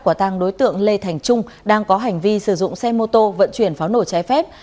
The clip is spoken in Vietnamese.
quả tàng đối tượng lê thành trung đang có hành vi sử dụng xe mô tô vận chuyển pháo nổ trái phép